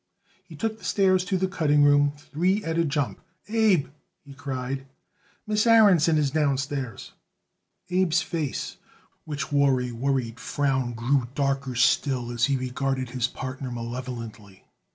He took the stairs to the cutting room three at a jump. "Abe," he cried, "Miss Aaronson is downstairs." Abe's face, which wore a worried frown, grew darker still as he regarded his partner malevolently.